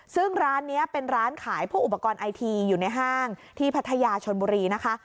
ซึ่งร้านนี้เป็นร้านขายพวกอุปกรณ์ไอทีอยู่ในห้างที่พัทยาชนบุรีนะคะ